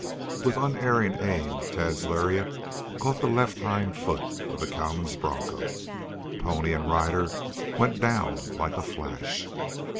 With unerring aim Tad's lariat caught the left hind foot of the cowman's broncho. Pony and rider went down like a flash.